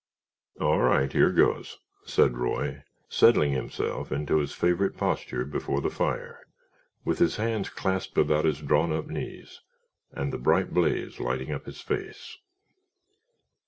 "All right, here goes," said Roy, settling, himself into his favorite posture before the fire, with his hands clasped about his drawn up knees and the bright blaze lighting up his face.